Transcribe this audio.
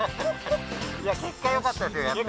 いや結果よかったですよやって。